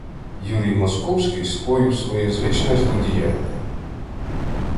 Юрій Московський скоїв своє звичне злодіяння